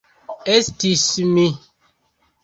Estis mi.